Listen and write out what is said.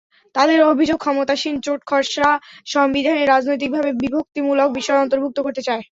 তাঁদের অভিযোগ, ক্ষমতাসীন জোট খসড়া সংবিধানে রাজনৈতিকভাবে বিভক্তিমূলক বিষয় অন্তর্ভুক্ত করতে চায়।